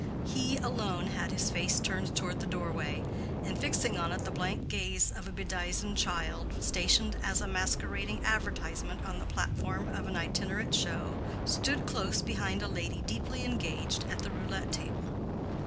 He alone had his face turned toward the doorway, and fixing on it the blank gaze of a bedizened child stationed as a masquerading advertisement on the platform of an itinerant show, stood close behind a lady deeply engaged at the roulette table.